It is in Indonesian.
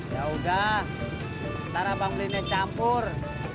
ya udah sekarang abang belinya campur